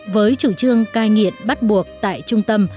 với chủ trương cai nghiện bắt buộc tại trung tâm